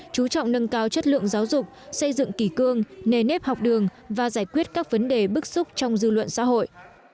chú trọng nâng cao chất lượng giáo dục xây dựng kỳ cương nề nếp học đường và giải quyết các vấn đề bức xúc trong dư luận xã hội